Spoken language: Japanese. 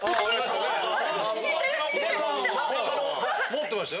持ってましたよ。